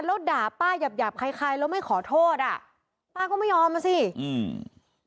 แล้วด่าป้าหยาบหยาบคล้ายแล้วไม่ขอโทษอ่ะป้าก็ไม่ยอมอ่ะสิอืม